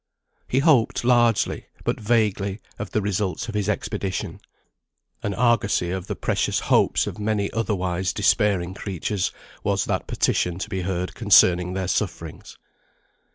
He hoped largely, but vaguely, of the results of his expedition. An argosy of the precious hopes of many otherwise despairing creatures, was that petition to be heard concerning their sufferings.